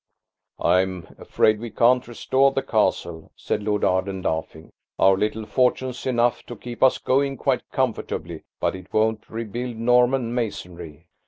"I'm afraid we can't restore the castle," said Lord Arden laughing; "our little fortune's enough to keep us going quite comfortably–but it won't rebuild Norman masonry."